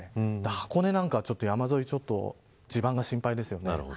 箱根なんかは山沿い地盤が心配ですよね。